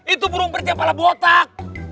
itu burung perit yang kepala botak